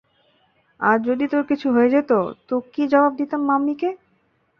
আজ যদি তোর কিছু হয়ে যেত, তো কি জবাব দিতাম মাম্মি কে?